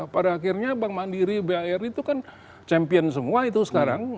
pada akhirnya bank mandiri bar itu kan champion semua itu sekarang